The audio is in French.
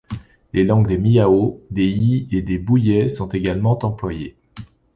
Les langues des Miao, des Yi et des Bouyei sont également employées.